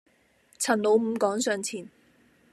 陳老五趕上前，